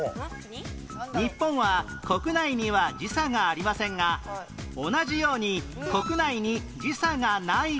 日本は国内には時差がありませんが同じようにえっでも。